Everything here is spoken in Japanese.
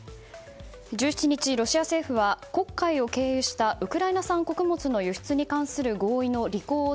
１７日、ロシア政府は黒海を経由したウクライナ産穀物の輸出に関する合意の履行を